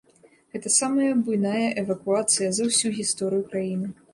Гэта самая буйная эвакуацыя за ўсю гісторыю краіны.